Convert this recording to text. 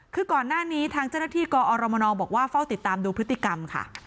คือก่อนหน้านี้ทางเจ้าหน้าที่กอรมนบอกว่าเฝ้าติดตามดูพฤติกรรมค่ะ